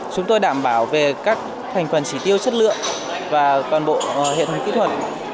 chúng tôi đảm bảo về các thành phần chỉ tiêu chất lượng và toàn bộ hiện kỹ thuật